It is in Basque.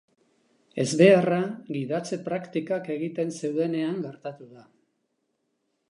Ezbeharra gidatze praktikak egiten zeudenean gertatu da.